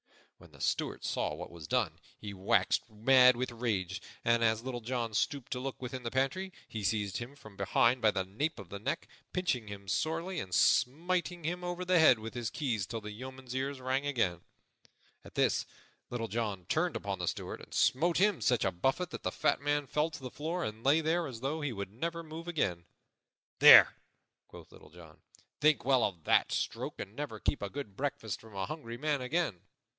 When the Steward saw what was done, he waxed mad with rage; and, as Little John stooped to look within the pantry, he seized him from behind by the nape of the neck, pinching him sorely and smiting him over the head with his keys till the yeoman's ears rang again. At this Little John turned upon the Steward and smote him such a buffet that the fat man fell to the floor and lay there as though he would never move again. "There," quoth Little John, "think well of that stroke and never keep a good breakfast from a hungry man again."